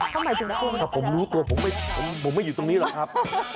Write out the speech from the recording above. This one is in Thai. ถ้าผมรู้ตัวผมไม่อยู่ตรงนี้หรอกครับ